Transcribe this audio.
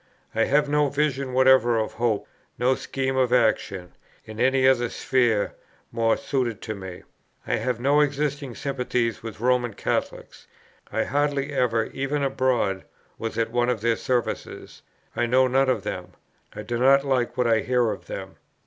I have no visions whatever of hope, no schemes of action, in any other sphere more suited to me. I have no existing sympathies with Roman Catholics; I hardly ever, even abroad, was at one of their services; I know none of them, I do not like what I hear of them.